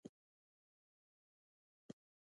باقلي په هرات کې ډیر خوړل کیږي.